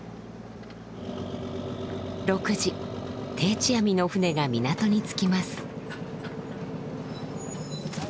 ６時定置網の船が港に着きます。